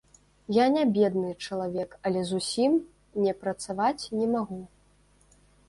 Я не бедны чалавек, але зусім не працаваць не магу.